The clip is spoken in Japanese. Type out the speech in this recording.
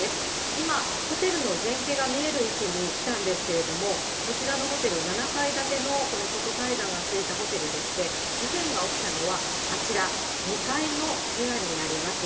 今、ホテルの全景が見える位置に来たんですけれども、こちらのホテル７階建ての、この外階段がついたホテルでして、事件が起きたのは、あちら、２階の部屋になります。